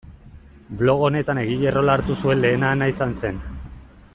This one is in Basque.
Blog honetan egile rola hartu zuen lehena Ana izan zen.